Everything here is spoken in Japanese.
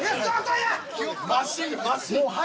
マシンマシン。